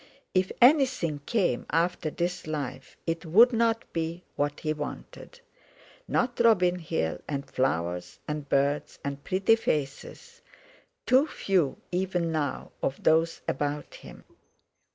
If anything came after this life, it wouldn't be what he wanted; not Robin Hill, and flowers and birds and pretty faces—too few, even now, of those about him!